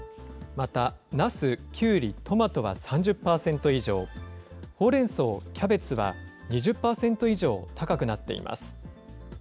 また、なす、きゅうり、トマトは３０％以上、ほうれんそう、キャベツは２０％以上高くなっています。